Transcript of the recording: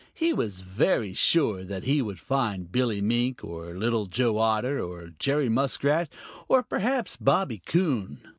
He was very sure that he would find Billy Mink or Little Joe Otter, or Jerry Muskrat, or perhaps Bobby Coon.